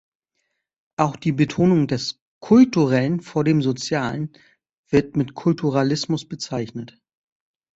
Auch die Betonung des „Kulturellen“ vor dem „Sozialen“ wird mit „Kulturalismus“ bezeichnet.